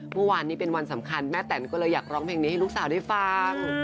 เมื่อวานนี้เป็นวันสำคัญแม่แตนก็เลยอยากร้องเพลงนี้ให้ลูกสาวได้ฟัง